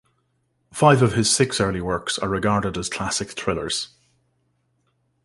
Five of his six early works are regarded as classic thrillers.